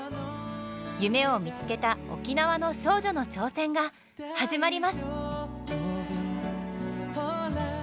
夢を見つけた沖縄の少女の挑戦が始まります！